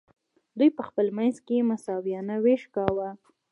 دوی په خپل منځ کې مساویانه ویش کاوه.